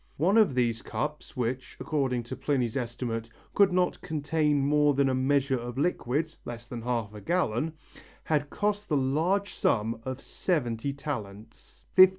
One of these cups which, according to Pliny's estimate, could not contain more than a measure of liquid, less than half a gallon, had cost the large sum of 70 talents (£15,400).